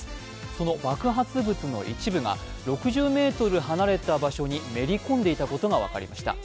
その爆発物の一部が６０ｍ離れた場所にめり込んでいたことが分かりました。